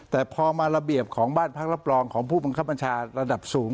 แต่พอมาระเบียบของบ้านพักรับรองของผู้บังคับบัญชาระดับสูง